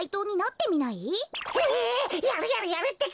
やるやるやるってか！